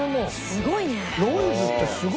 すごいね！